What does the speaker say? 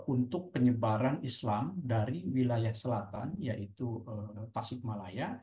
untuk penyebaran islam dari wilayah selatan yaitu tasikmalaya